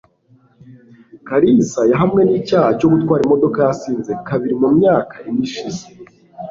kalisa yahamwe n'icyaha cyo gutwara imodoka yasinze kabiri mu myaka ine ishize